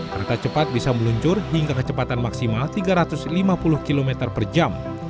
kereta cepat bisa meluncur hingga kecepatan maksimal tiga ratus km